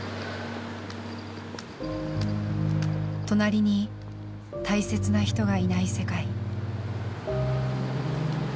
隣に大切な人がいない世界。